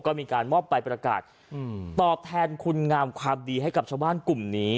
ก็มีการมอบใบประกาศตอบแทนคุณงามความดีให้กับชาวบ้านกลุ่มนี้